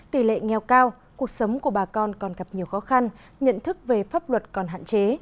tỷ lệ nghèo cao cuộc sống của bà con còn gặp nhiều khó khăn nhận thức về pháp luật còn hạn chế